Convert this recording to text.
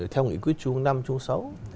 theo nghị quyết chung năm sau